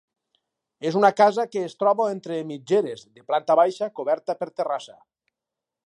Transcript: És una casa que es troba entre mitgeres, de planta baixa, coberta per terrassa.